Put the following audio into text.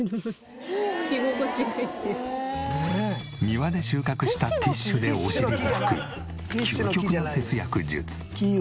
庭で収穫したティッシュでお尻を拭く究極の節約術。